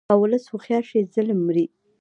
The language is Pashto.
که ولس هوښیار شي، ظلم مري.